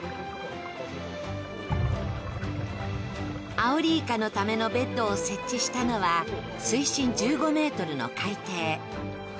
アオリイカのためのベッドを設置したのは水深１５ｍの海底。